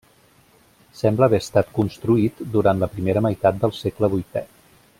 Sembla haver estat construït durant la primera meitat del segle vuitè.